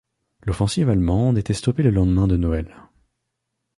L'offensive allemande était stoppée le lendemain de Noël.